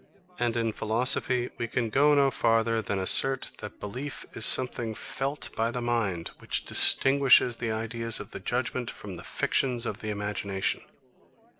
And in philosophy, we can go no farther than assert, that belief is something felt by the mind, which distinguishes the ideas of the judgement from the fictions of the imagination.